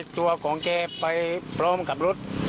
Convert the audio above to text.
ตัวของแกไปพร้อมกับรถ